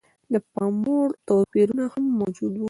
د پاموړ توپیرونه هم موجود و.